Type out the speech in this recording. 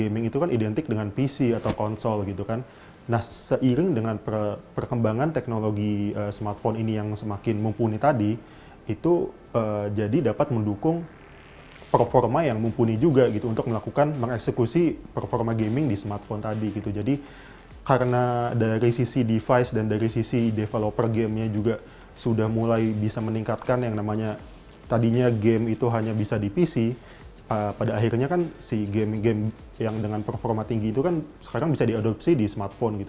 pada akhirnya game game yang dengan performa tinggi itu kan sekarang bisa diadopsi di smartphone